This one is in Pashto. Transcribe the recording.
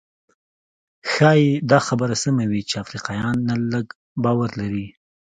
ښايي دا خبره سمه وي چې افریقایان نن لږ باور لري.